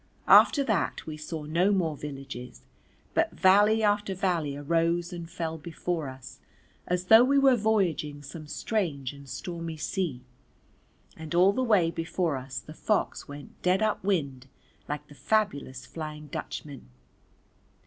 After that we saw no more villages, but valley after valley arose and fell before us as though we were voyaging some strange and stormy sea, and all the way before us the fox went dead up wind like the fabulous Flying Dutchman.